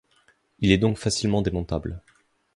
Il est donc facilement démontable.